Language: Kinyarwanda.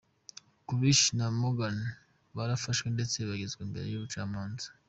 Kalushi na Motaung barafashwe ndetse bagezwa imbere y’ubucamanza.